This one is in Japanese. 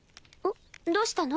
どうしたの？